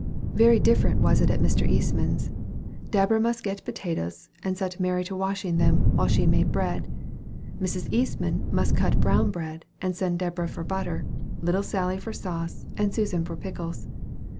Very different was it at Mr. Eastman's. Deborah must get potatoes, and set Mary to washing them, while she made bread. Mrs. Eastman must cut brown bread, and send Deborah for butter, little Sally for sauce, and Susan for pickles.